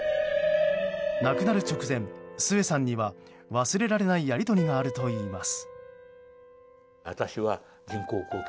亡くなる直前、末さんには忘れられないやり取りがあるといいます。